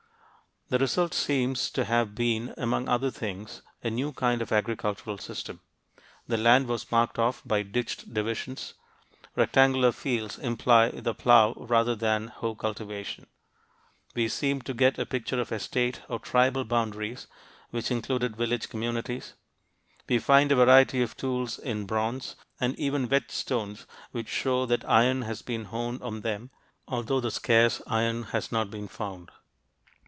The result seems to have been among other things a new kind of agricultural system. The land was marked off by ditched divisions. Rectangular fields imply the plow rather than hoe cultivation. We seem to get a picture of estate or tribal boundaries which included village communities; we find a variety of tools in bronze, and even whetstones which show that iron has been honed on them (although the scarce iron has not been found).